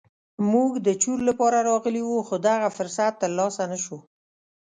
موږ د چور لپاره راغلي وو خو دغه فرصت تر لاسه نه شو.